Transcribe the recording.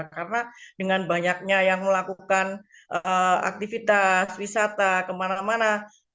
karena dengan banyaknya yang melakukan aktivitas wisata kemana mana